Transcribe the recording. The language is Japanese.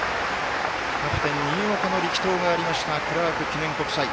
キャプテン、新岡の力投がありましたクラーク記念国際。